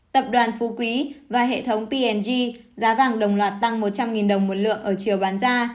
tập đoàn phú quý và hệ thống png giá vàng đồng loạt tăng một trăm linh đồng một lượng ở chiều bán ra